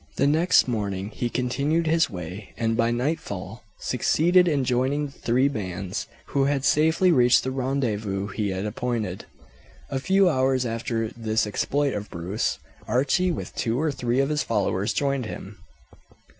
The next morning he continued his way, and by nightfall succeeded in joining the three bands, who had safely reached the rendezvous he had appointed. A few hours after this exploit of Bruce, Archie with two or three of his followers joined him.